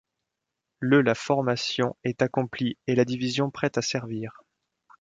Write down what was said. Le la formation est accomplie et la division prête à servir.